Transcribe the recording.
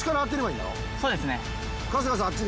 そうですね